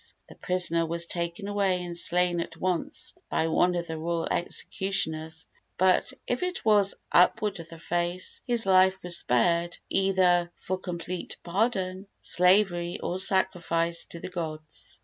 the prisoner was taken away and slain at once by one of the royal executioners; but if it was "Upward the face!" his life was spared, either for complete pardon, slavery or sacrifice to the gods.